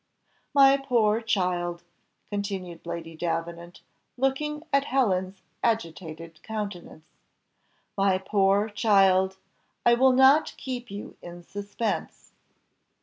"My poor child," continued Lady Davenant, looking at Helen's agitated countenance, "My poor child, I will not keep you in suspense."